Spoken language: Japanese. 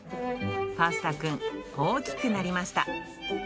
パスタくん、大きくなりました。